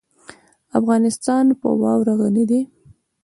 افغانستان په واوره غني دی.